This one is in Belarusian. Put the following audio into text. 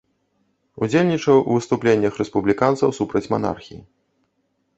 Удзельнічаў у выступленнях рэспубліканцаў супраць манархіі.